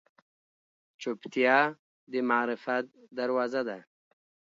چوپتیا، د معرفت دروازه ده.